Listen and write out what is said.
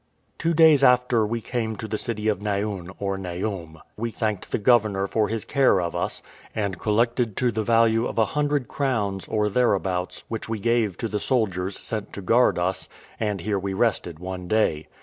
Two days after we came to the city of Naun, or Naum; we thanked the governor for his care of us, and collected to the value of a hundred crowns, or thereabouts, which we gave to the soldiers sent to guard us; and here we rested one day.